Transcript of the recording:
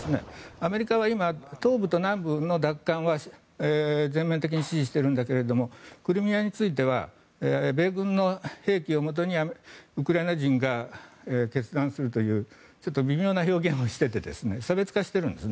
アメリカは今、東部と南部の奪還は全面的に支持しているけれどもクリミアについては米軍の兵器をもとにウクライナ人が決断するというちょっと微妙な表現をしていて差別化しているんです。